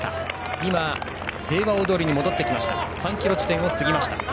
今、平和大通りに戻って３ｋｍ地点を過ぎました。